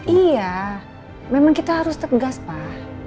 iya memang kita harus tegas pak